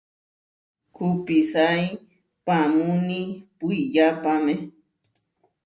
Kupisái paamúni puiyápame.